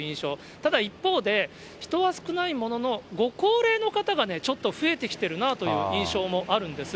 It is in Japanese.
ただ一方で、人は少ないものの、ご高齢の方がちょっと増えてきてるなという印象もあるんです。